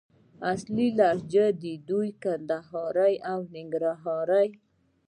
اصلي لهجې دوې دي: کندهارۍ او ننګرهارۍ